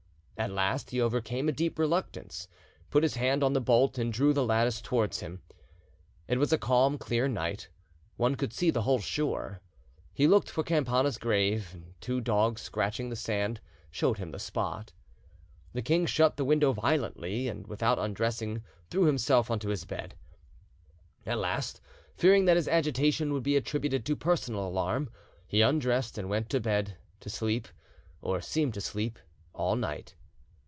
At last he overcame a deep reluctance, put his hand on the bolt and drew the lattice towards him. It was a calm, clear night: one could see the whole shore. He looked for Campana's grave. Two dogs scratching the sand showed him the spot. The king shut the window violently, and without undressing threw himself onto his bed. At last, fearing that his agitation would be attributed to personal alarm, he undressed and went to bed, to sleep, or seem to sleep all night.